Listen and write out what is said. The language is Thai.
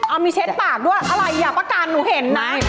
เอามีเช็ดปากด้วยอะไรอ่ะประกันหนูเห็นนะ